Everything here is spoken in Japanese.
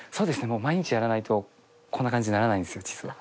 もう毎日やらないとこんな感じにならないんですよ実は。